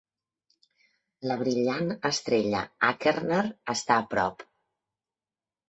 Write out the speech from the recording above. La brillant estrella Achernar està a prop.